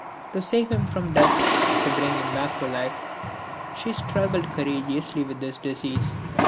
To save him from death, to bring him back to life, she struggled courageously with his disease.